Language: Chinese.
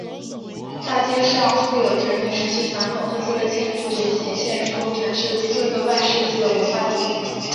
大街上富有殖民时期传统特色的建筑也显现出城市四个半世纪的文化底蕴。